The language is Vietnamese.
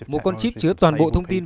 một con chip chứa toàn bộ thông tin